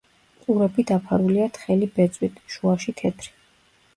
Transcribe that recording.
ყურები დაფარულია თხელი ბეწვით; შუაში თეთრი.